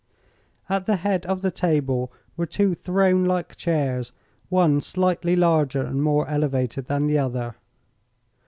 At the head of the table were two throne like chairs, one slightly larger and more elevated than the other.